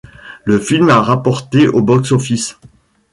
Le film a rapporté au box-office.